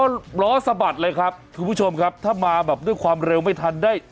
ก็ล้อสะบัดเลยครับคุณผู้ชมครับถ้ามาแบบด้วยความเร็วไม่ทันได้